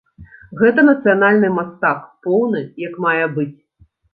Гэта нацыянальны мастак, поўны як мае быць.